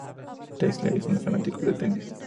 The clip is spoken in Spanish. Tinsley es un fanático del tenis.